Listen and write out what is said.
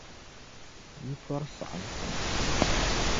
Yi tɔri saɣim pam.